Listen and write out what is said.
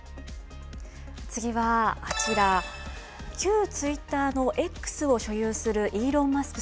次はあちら、旧ツイッターのＸを所有するイーロン・マスク